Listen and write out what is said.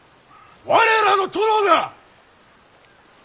我らの殿が！